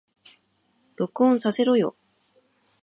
録音させろよ